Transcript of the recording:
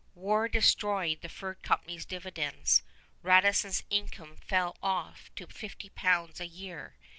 War destroyed the fur company's dividends. Radisson's income fell off to 50 pounds a year.